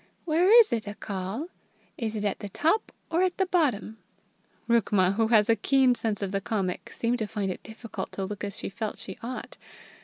Where is it, Accal? Is it at the top or at the bottom?" Rukma, who has a keen sense of the comic, seemed to find it difficult to look as she felt she ought.